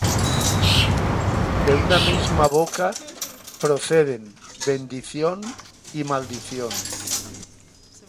De una misma boca proceden bendición y maldición.